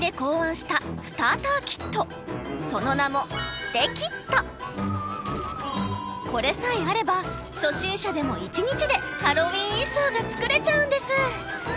その名もこれさえあれば初心者でも１日でハロウィーン衣装が作れちゃうんです！